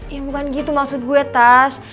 ya bukan gitu maksud gue tas